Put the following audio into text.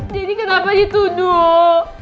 dede kenapa dituduh